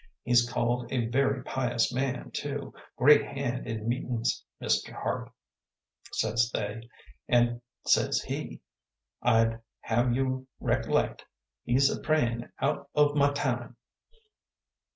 'He's called a very pious man, too, great hand in meetin's, Mr. Hart,' says they; an' says he, 'I'd have you rec'lect he's a prayin' out o' my time!'